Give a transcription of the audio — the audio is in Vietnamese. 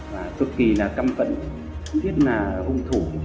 và cực kỳ là căm cận rất là hung thủ